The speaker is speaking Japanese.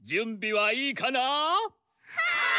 はい！